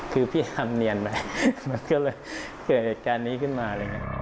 คือพี่ยามเนียนไปมันก็เลยเกิดการณ์นี้ขึ้นมา